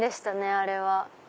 あれは。